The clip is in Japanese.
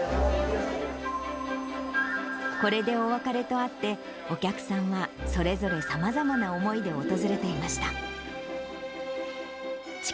これでお別れとあって、お客さんはそれぞれ、さまざまな思いで訪れていました。